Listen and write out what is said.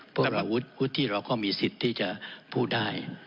พวกอาวุธที่เราก็มีสิทธิ์ที่จะพูดได้